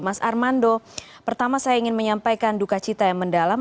mas armando pertama saya ingin menyampaikan duka cita yang mendalam